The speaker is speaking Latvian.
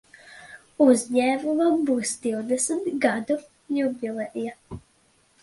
Uzņēmumam būs divdesmit gadu jubileja.